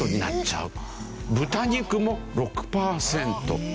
豚肉も６パーセント。